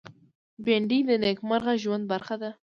بېنډۍ د نېکمرغه ژوند برخه ده